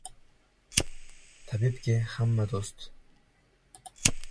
• Tabibga hamma do‘st.